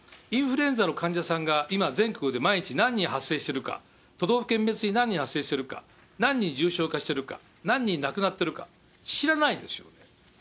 インフルエンザの患者さんが今、全国で毎日何万人発生してるか、都道府県別に何人発生しているか、何人重症化しているか、何人亡くなってるか、知らないですよ。